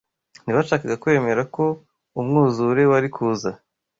Ntibashakaga kwemera ko umwuzure wari kuza